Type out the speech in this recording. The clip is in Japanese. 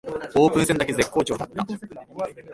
オープン戦だけ絶好調だった